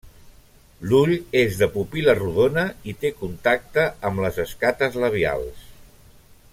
L'ull és de pupil·la rodona i té contacte amb les escates labials.